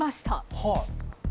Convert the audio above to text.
はい。